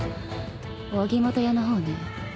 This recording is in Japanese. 荻本屋の方ね。